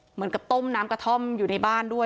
เหมือนกับต้มน้ำกระท่อมอยู่ในบ้านด้วย